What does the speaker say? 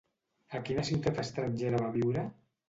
A quina ciutat estrangera va viure?